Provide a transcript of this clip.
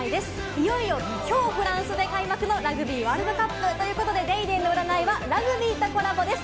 いよいよ、きょうフランスで開幕のラグビーワールドカップ。ということで『ＤａｙＤａｙ．』の占いはラグビーとコラボです。